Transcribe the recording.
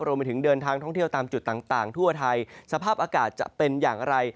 เดินทางท่องเที่ยวตามจุดต่างทั่วไทยสภาพอากาศจะเป็นอย่างไร